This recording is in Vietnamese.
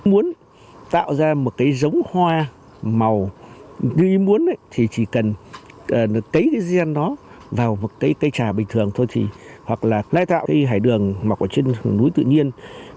muốn tạo ra một cái giống hoa màu như muốn thì chỉ cần cấy cái gen đó vào một cây trà bình thường thôi thì hoặc là lai tạo cây hải đường mặc vào trên núi tự nhiên